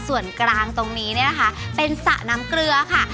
ส่วนกลางตรงนี้เป็นสระน้ำเกลือค่ะ